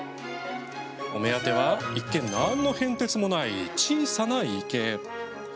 お目当ては一見、何の変哲もない小さな池。